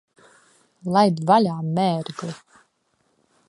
Laid vaļā, mērgli!